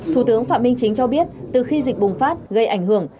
thủ tướng phạm minh chính cho biết từ khi dịch bùng phát gây ảnh hưởng